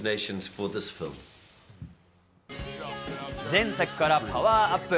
前作からパワーアップ。